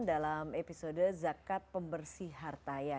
dalam episode zakat pembersih harta ya